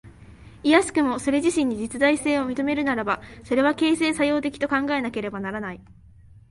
いやしくもそれ自身に実在性を認めるならば、それは形成作用的と考えられねばならない。